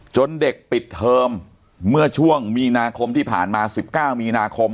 เด็กปิดเทอมเมื่อช่วงมีนาคมที่ผ่านมา๑๙มีนาคม